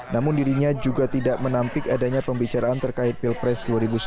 namun dirinya juga tidak menampik adanya pembicaraan terkait pilpres dua ribu sembilan belas